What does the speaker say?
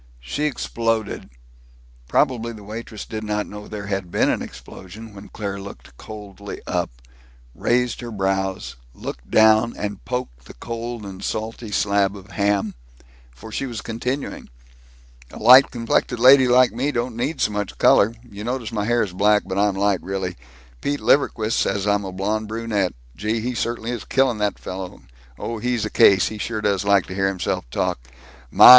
She exploded. Probably the waitress did not know there had been an explosion when Claire looked coldly up, raised her brows, looked down, and poked the cold and salty slab of ham, for she was continuing: "A light complected lady like me don't need so much color, you notice my hair is black, but I'm light, really, Pete Liverquist says I'm a blonde brunette, gee, he certainly is killing that fellow, oh, he's a case, he sure does like to hear himself talk, my!